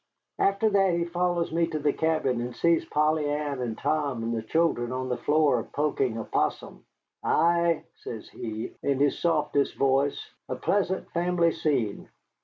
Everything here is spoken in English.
After that he follows me to the cabin, and sees Polly Ann and Tom and the children on the floor poking a 'possum. 'Ah,' says he, in his softest voice, 'a pleasant family scene.